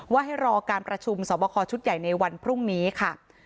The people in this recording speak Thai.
ให้รอการประชุมสอบคอชุดใหญ่ในวันพรุ่งนี้ค่ะ